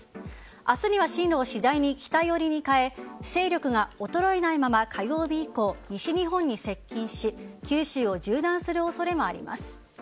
明日には進路を次第に北寄りに変え勢力が衰えないまま火曜日以降、西日本に接近し九州を縦断する恐れもあります。